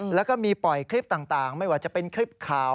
แล้วก็มีปล่อยคลิปต่างไม่ว่าจะเป็นคลิปข่าว